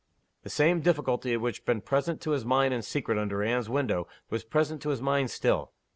The same difficulty which had been present to his mind in secret under Anne's window was present to his mind still.